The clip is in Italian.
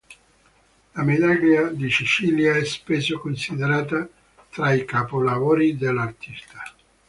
La medaglia di Cecilia è spesso considerata tra i capolavori dell'artista.